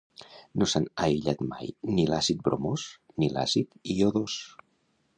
No s'han aïllat mai ni l'àcid bromós ni l'àcid iodós.